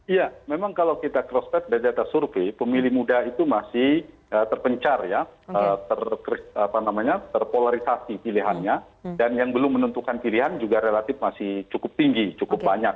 iya memang kalau kita cross check dari data survei pemilih muda itu masih terpencar ya terpolarisasi pilihannya dan yang belum menentukan pilihan juga relatif masih cukup tinggi cukup banyak